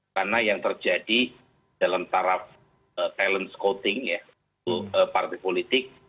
karena yang terjadi dalam taraf talent scouting ya itu partai politik